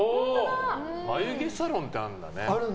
眉毛サロンってあるんだね。